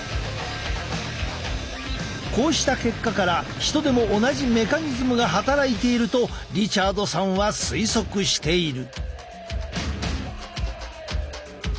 こうした結果から人でも同じメカニズムが働いているとリチャードさんは推測している。